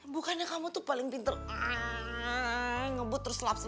bukannya kamu tuh paling pinter ngebut terus lapsa